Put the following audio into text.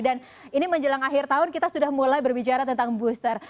dan ini menjelang akhir tahun kita sudah mulai berbicara tentang booster